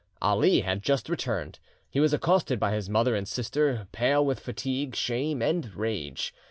Ali had just returned. He was accosted by his mother and sister, pale with fatigue, shame, and rage.